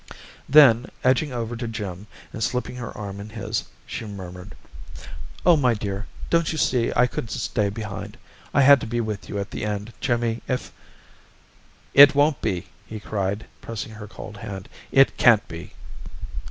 Then, edging over to Jim and slipping her arm in his, she murmured: "Oh, my dear! Don't you see I couldn't stay behind? I had to be with you at the end, Jimmy, if " "It won't be!" he cried, pressing her cold hand. "It can't be!"